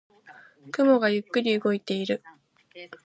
雲がゆっくり動いている。